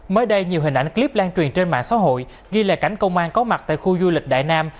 mới đây nhiều hình ảnh clip lan truyền trên mạng xã hội ghi lại cảnh công an có mặt tại khu du lịch đại nam